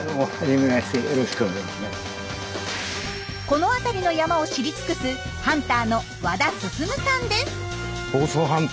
この辺りの山を知りつくすハンターの和田さんです。